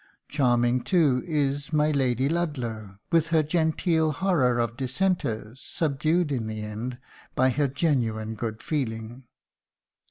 Charming, too, is "My Lady Ludlow" with her genteel horror of dissenters subdued in the end by her genuine good feeling.